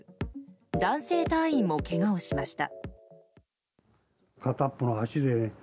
男性隊員もけがをしました。